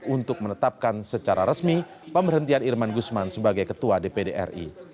untuk menetapkan secara resmi pemberhentian irman gusman sebagai ketua dpd ri